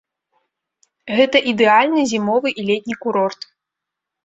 Гэта ідэальны зімовы і летні курорт.